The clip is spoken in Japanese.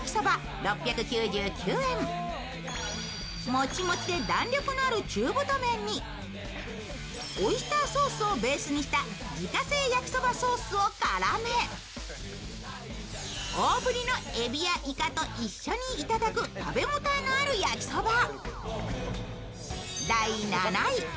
もちもちで弾力のある中太麺に、オイスターソースをベースにした自家製焼きそばソースを絡め大ぶりのえびやいかと一緒にいただく食べ応えのある焼きそば。